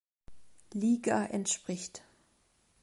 Liga entspricht.